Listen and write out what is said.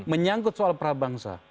menyangkut soal prabangsa